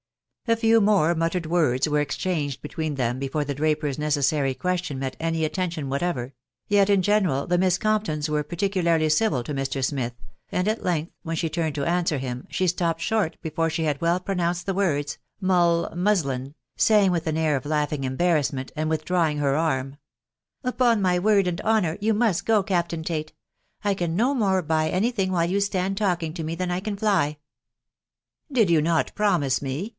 A few more muttered words were exchanged between them before the draper's necessary question met any attention what ever, yet in general the Miss Comptons were particularly civil to Mr. Smith, and at length, when she turned to answer him, she stopped short before she had well pronounced the words "mull muslin," saying with an air of laughing embarrass ment, and withdrawing her arm, — s< Upon my word and honour, you must go, Captain Tate •... I can no more buy any thing while you stand talking to me than I can fly." " Did not you promise me